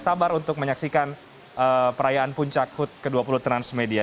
sabar untuk menyaksikan perayaan puncak hut ke dua puluh transmedia